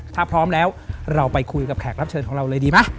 ถ้าพร้อมแล้วเราไปคุยกับแขกรับเชิญของเราเลยดีไหม